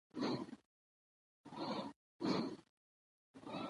انار د افغان ماشومانو د زده کړې یوه ډېره جالبه موضوع ده.